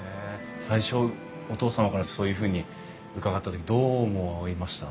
最初お父様からそういうふうに伺った時どう思いました？